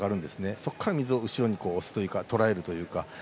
そこから水を押すというかとらえるというか。